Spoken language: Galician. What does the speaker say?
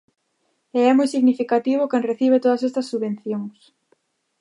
E é moi significativo quen recibe todas estas subvencións.